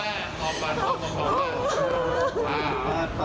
เฮ้ยเจ้าเจ้าเจ้าพ่อพ่อพ่อพ่อพ่อ